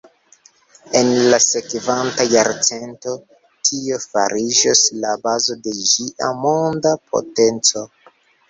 En la sekvanta jarcento, tio fariĝos la bazo de ĝia monda potenco.